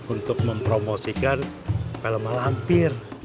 untuk mempromosikan film alam bir